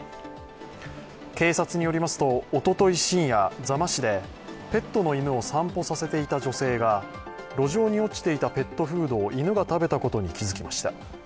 警察によりますと、おととい深夜座間市でペットの犬を散歩させていた女性が路上に落ちていたペットフードを犬が食べたことに気付きました。